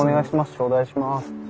頂戴します。